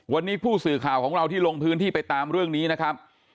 วันนี้ผู้สื่อข่าวของเราที่ลงพื้นที่ไปตามเรื่องนี้นะครับ